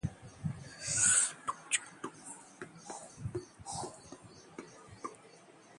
मैं सिर्फ एक टूर्नामेंट के लिए कप्तान हूं, बोले विराट कोहली